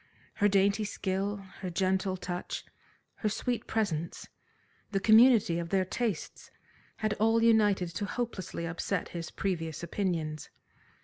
Her dainty skill, her gentle touch, her sweet presence, the community of their tastes, had all united to hopelessly upset his previous opinions.